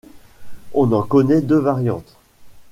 On en connaît deux variantes.